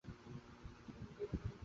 এরপর তরুণী গতকাল বুধবার বনানী থানায় যান।